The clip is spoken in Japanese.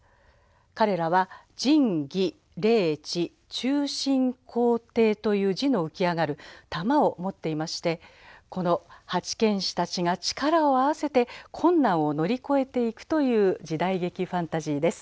彼らは「仁義礼智忠信孝悌」という字の浮き上がる珠を持っていましてこの八犬士たちが力を合わせて困難を乗り越えていくという時代劇ファンタジーです。